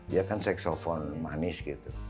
dia kan seksofon manis gitu